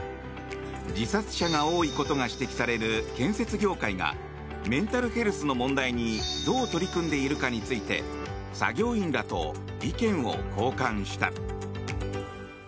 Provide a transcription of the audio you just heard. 自殺者が多いことが指摘される建設業界がメンタルヘルスの問題にどう取り組んでいるかについて作業員らと意見を交換した。